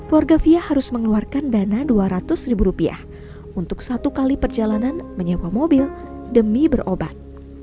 warga fia harus mengeluarkan dana dua ratus ribu rupiah untuk satu kali perjalanan menyewa mobil demi berobat